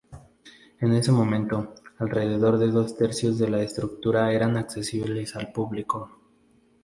En ese momento, alrededor de dos tercios de la estructura eran accesibles al público.